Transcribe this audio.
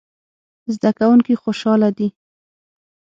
زده کوونکي خوشحاله دي